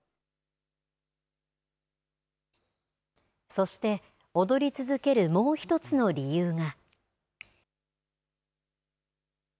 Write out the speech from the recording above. そして、踊り続けるもう１つの理由が。